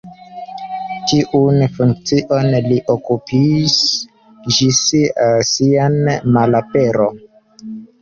Tiun funkcion li okupis ĝis sia malapero.